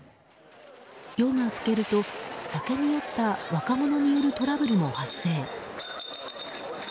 夜が更けると、酒に酔った若者によるトラブルも発生。